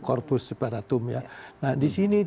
korpus separatum ya nah disini